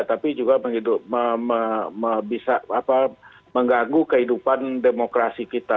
tapi juga bisa mengganggu kehidupan demokrasi kita